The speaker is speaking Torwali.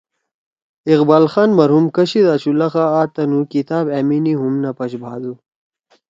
اقبال خان مرحوم کشید آشُو لخا آ تنُو کِتاب أمیِنی ہُم نہ پش بھادُو۔